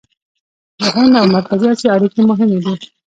د هند او مرکزي اسیا اړیکې مهمې دي.